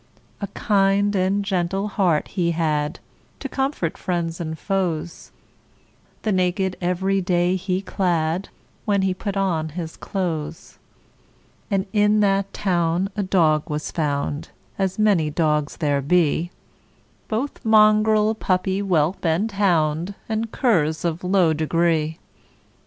A kind and gentle heart he had, To comfort friends and foes; The naked every day he clad, When he put on his clothes. And in that town a dog was found, As many dogs there be, Both mongrel, puppy, whelp, and hound, And curs of low degree.